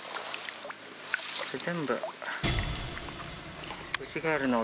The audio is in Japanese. これ全部。